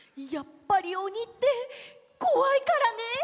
やっぱりおにってこわいからね！